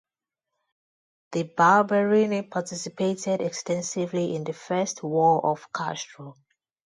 The Barberini participated extensively in the First War of Castro.